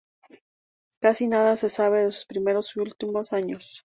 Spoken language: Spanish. Casi nada se sabe de sus primeros y últimos años.